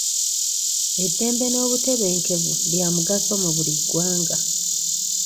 Eddembe n'obutebenkevu bya mugaso mu buli ggwanga.